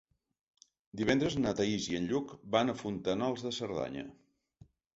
Divendres na Thaís i en Lluc van a Fontanals de Cerdanya.